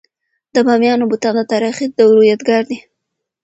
د بامیانو بتان د تاریخي دورو یادګار دی.